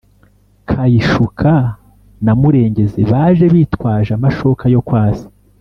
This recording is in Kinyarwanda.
kayishuka na murengezi baje bitwaje amashoka yo kwasa